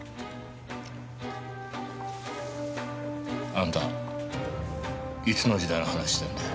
あんたいつの時代の話してんだよ。